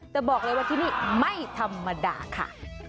แต่บอกเลยว่าที่นี่ไม่ธรรมดาค่ะ